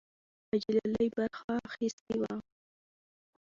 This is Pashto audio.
حاجي لالی برخه اخیستې وه.